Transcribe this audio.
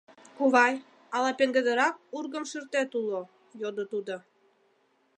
— Кувай, ала пеҥгыдырак ургымшӱртет уло? — йодо тудо.